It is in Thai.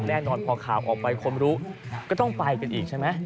แน่นอนพอข่าวออกไปคนรู้ก็ต้องไปกันอีกใช่ไหม